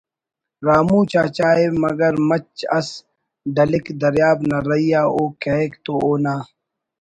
رامو چاچا ءِ مگر مچ اس ڈلک دریاب نا رہی آ او کہیک تو اونا